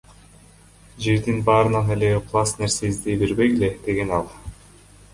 Жердин баарынан эле ыплас нерсе издей бербегиле, — деген ал.